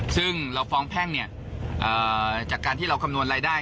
ซึ่งเราฟ้องแพ่งจากการที่เราคำนวณรายได้